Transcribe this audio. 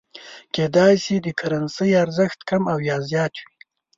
کېدای شي د کرنسۍ ارزښت کم او یا زیات وي.